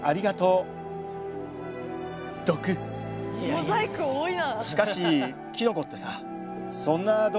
モザイク多いな。